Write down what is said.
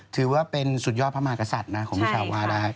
ถือว่าเป็นสุดยอดพระมหากษัตริย์นะของชาวาได้